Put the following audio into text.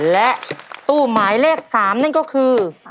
และตู้หมายเลข๓นั่นก็คือ